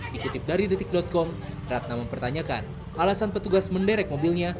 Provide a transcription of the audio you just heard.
dikutip dari detik com ratna mempertanyakan alasan petugas menderek mobilnya